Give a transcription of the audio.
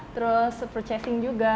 terus purchasing juga